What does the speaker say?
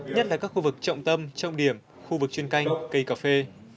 nhất là các khu vực trọng tâm trọng điểm khu vực chuyên canh cây cà phê